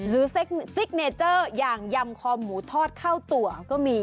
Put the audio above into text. ซิกเนเจอร์อย่างยำคอหมูทอดเข้าตัวก็มี